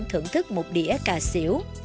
thưởng thức một đĩa cà xỉu